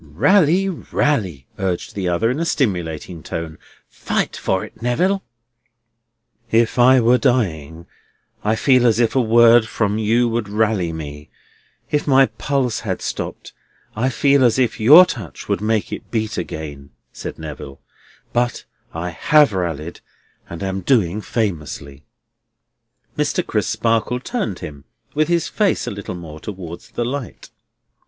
"Rally, rally!" urged the other, in a stimulating tone. "Fight for it, Neville!" "If I were dying, I feel as if a word from you would rally me; if my pulse had stopped, I feel as if your touch would make it beat again," said Neville. "But I have rallied, and am doing famously." Mr. Crisparkle turned him with his face a little more towards the light.